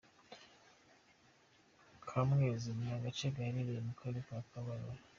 Kamwezi ni agace gaherereye mu Karere ka Kabare.